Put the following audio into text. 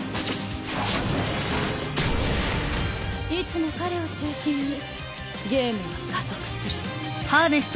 いつも彼を中心にゲームは加速する。